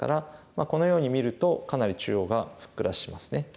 このように見るとかなり中央がふっくらしますね。